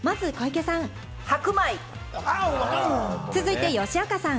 続いて吉岡さん。